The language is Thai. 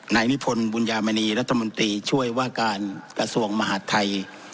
นายนิพนธ์บุญญามณีรัฐมนตรีช่วยว่าการกระทรวงมหาดไทย